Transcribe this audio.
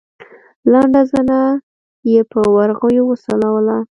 لنډه زنه يې په ورغوي وسولوله.